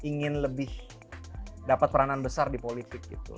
ingin lebih dapat peranan besar di politik gitu